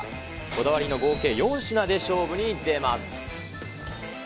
こだわりの合計４品で勝負に出ます。